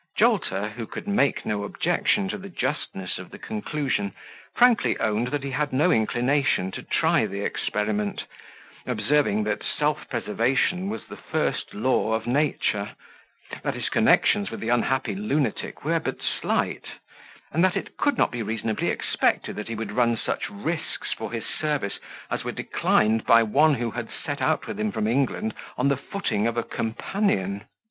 Jolter, who could make no objection to the justness of the conclusion, frankly owned that he had no inclination to try the experiment; observing, that self preservation was the first law of nature; that his connections with the unhappy lunatic were but slight; and that it could not be reasonably expected that he would run such risks for his service as were declined by one who had set out with him from England on the footing of a companion.